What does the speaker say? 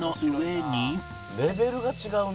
「レベルが違うな」